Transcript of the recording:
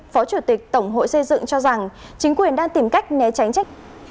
phó chủ tịch tổng hội xây dựng cho rằng chính quyền đang tìm cách né tránh trách